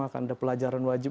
akan ada pelajaran wajib